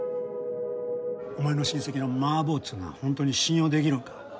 お前の親戚のマー坊っつうのは本当に信用できるんか？